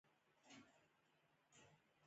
علم د ستونزو په وړاندې انعطاف رامنځته کوي.